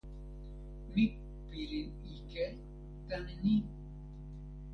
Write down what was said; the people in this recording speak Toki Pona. mi pilin ike tan ni: